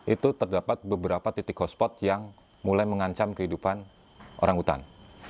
itu terdapat beberapa titik hotspot yang mulai mengancam kehidupan orang hutan